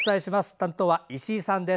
担当は石井さんです。